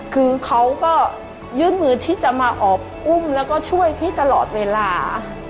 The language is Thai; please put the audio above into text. คือเขาก็ยื่นมือที่จะมาออกอุ้มแล้วก็ช่วยพี่ตลอดเวลา